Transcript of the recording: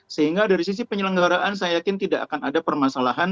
sehingga dari sisi penyelenggaraan saya yakin tidak akan ada permasalahan